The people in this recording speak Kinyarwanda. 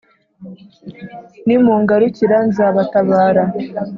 Nimungarukira nzabatabara